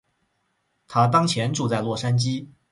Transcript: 她当前住在洛杉矶。